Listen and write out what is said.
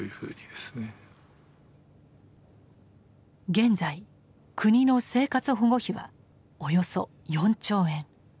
現在国の生活保護費はおよそ４兆円。